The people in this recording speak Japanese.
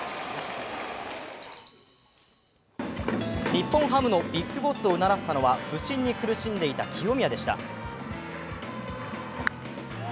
日本ハムのＢＩＧＢＯＳＳをうならせたのは不振に苦しんでいた清宮でした。